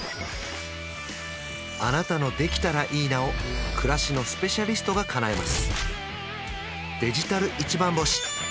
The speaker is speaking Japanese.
あなたの「できたらいいな」を暮らしのスペシャリストがかなえます